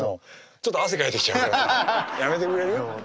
ちょっと汗かいてきちゃうからさやめてくれる？